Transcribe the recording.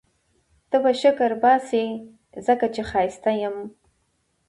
ته به شکرباسې ځکه چي ښایسته یم